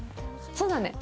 そうだね。